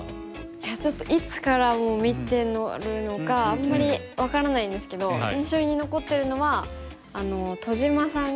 いやちょっといつから見てるのかあんまり分からないんですけど印象に残ってるのは戸島さんが。